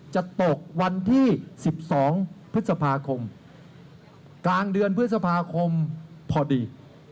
จะตกวันที่๑๒พฤษภาคมกลางเดือนพฤษภาคมพอดี